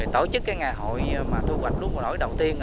tổ chức ngày hội thu hoạch lúa mùa nổi đầu tiên